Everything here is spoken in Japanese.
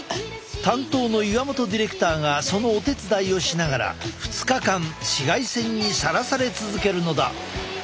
担当の岩本ディレクターがそのお手伝いをしながら２日間紫外線にさらされ続けるのだ！